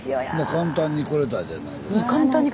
簡単に来れたじゃないですか。